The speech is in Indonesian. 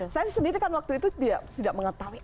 saya sendiri kan waktu itu tidak mengetahui